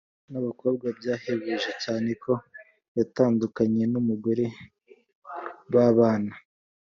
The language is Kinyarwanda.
nabakobwa byahebuje cyane ko yatandukanye numugore babana